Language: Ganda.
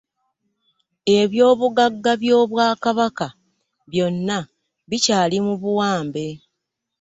Eby'obugagga by'obwakabaka byonna bikyali mu buwambe.